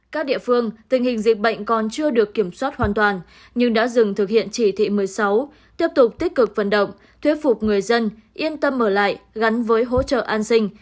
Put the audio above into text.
các địa phương tình hình dịch bệnh còn chưa được kiểm soát hoàn toàn nhưng đã dừng thực hiện chỉ thị một mươi sáu tiếp tục tích cực vận động thuyết phục người dân yên tâm ở lại gắn với hỗ trợ an sinh